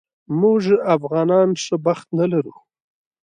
موږ افغانان ښه بخت نه لرو